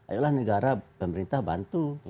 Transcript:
ayolah negara pemerintah bantu